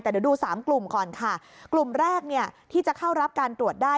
แต่เดี๋ยวดูสามกลุ่มก่อนค่ะกลุ่มแรกเนี่ยที่จะเข้ารับการตรวจได้